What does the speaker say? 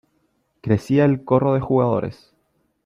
crecía el corro de jugadores .